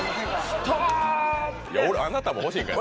あなたも欲しいんかい。